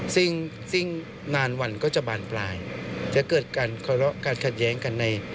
ซึ่งซึ่งนานวันก็จะบานปลายจะเกิดการเคารพการขัดแย้งกันใน